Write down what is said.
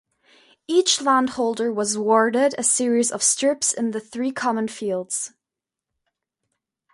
Each landholder was awarded a series of strips in the three common fields.